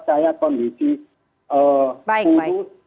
saya kondisi putus